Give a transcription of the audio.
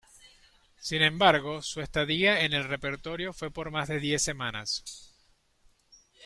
Sin embargo, su estadía en el repertorio fue por más de diez semanas.